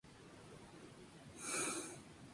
Hicieron soporte para importantes bandas como Panic!